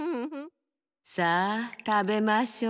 さあたべましょう。